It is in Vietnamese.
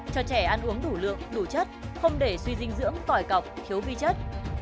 cho trẻ ăn uống đủ lượng đủ chất không để suy dinh dưỡng còi cọc thiếu vi chất